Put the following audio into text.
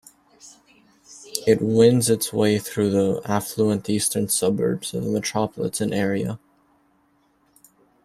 It winds its way through the affluent eastern suburbs of the metropolitan area.